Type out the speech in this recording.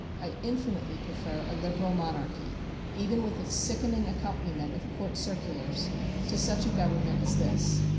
I infinitely prefer a liberal monarchy even with its sickening accompaniment of Court circulars to such a government as this.